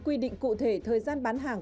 quy định cụ thể thời gian bán hàng